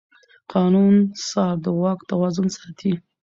قانوني څار د واک توازن ساتي.